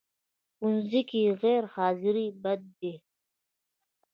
ښوونځی کې غیر حاضرې بدې دي